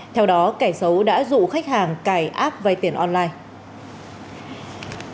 theo đó kẻ xấu đã rụ khách hàng cài app vay tiền online